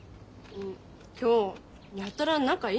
今日やたら仲良いね。